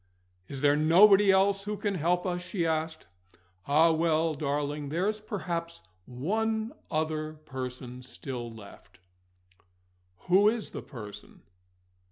"Is there nobody else who can help us?" she asked. "Ah, well, darling, there's perhaps one other person still left," "Who is the person?"